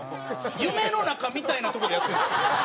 夢の中みたいな所でやってるんですよ。